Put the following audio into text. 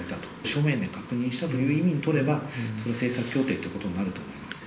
書面で確認したという意味で取れば、それは政策協定ってことになると思います。